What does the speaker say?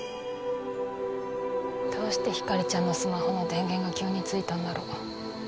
どうして光莉ちゃんのスマホの電源が急についたんだろう？